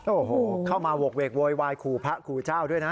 โอ้โหเข้ามาโหกเวกโวยวายขู่พระขู่เจ้าด้วยนะ